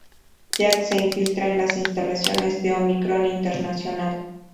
Jack se infiltra en las instalaciones de Omicron Internacional.